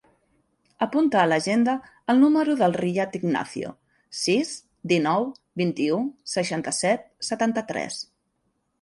Apunta a l'agenda el número del Riyad Ignacio: sis, dinou, vint-i-u, seixanta-set, setanta-tres.